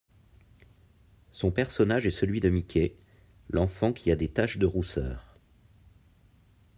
Son personnage est celui de Mickey, l'enfant qui a des tâches de rousseur.